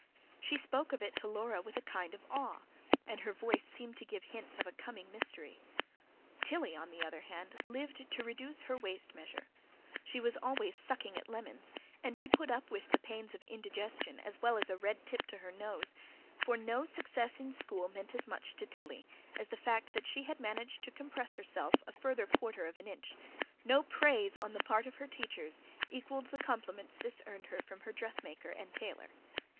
She spoke of it to Laura with a kind of awe; and her voice seemed to give hints of a coming mystery. Tilly, on the other hand, lived to reduce her waist measure: she was always sucking at lemons, and she put up with the pains of indigestion as well as a red tip to her nose; for no success in school meant as much to Tilly as the fact that she had managed to compress herself a further quarter of an inch, no praise on the part of her teachers equalled the compliments this earned her from dressmaker and tailor.